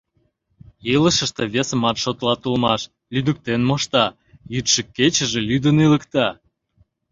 Илышыште весымат шотлат улмаш: лӱдыктен мошта, йӱдшӧ-кечыже лӱдын илыкта.